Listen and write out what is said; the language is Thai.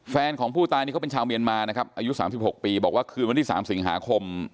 แฟนของผู้ตายนี่เขาเป็นชาวเมียนมานะครับอายุ๓๖ปีบอกว่าคืนวันที่๓สิงหาคม